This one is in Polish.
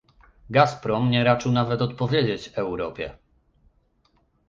Gazprom nie raczył nawet odpowiedzieć Europie